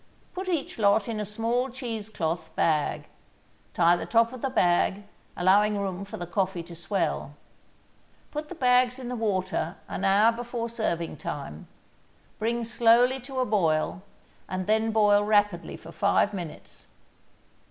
Put each lot in a small cheese cloth bag; tie the top of the bag, allowing room for the coffee to swell. Put the bags in the water an hour before serving time, bring slowly to a boil, and then boil rapidly for five minutes.